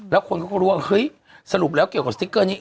แล้วคนเขาก็รู้ว่าเฮ้ยสรุปแล้วเกี่ยวกับสติ๊กเกอร์นี้